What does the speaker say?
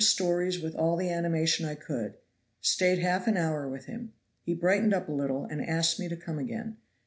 Gave him all the animation I could. some tracts. Stayed half an hour with him. He brightened up a little, and asked me to come again.